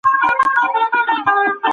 احمد شاه بابا کوم ډول آسونه خوښول؟